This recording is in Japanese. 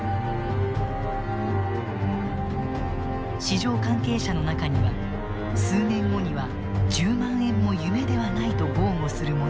市場関係者の中には数年後には１０万円も夢ではないと豪語する者もいた。